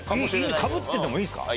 かぶっててもいいんですか？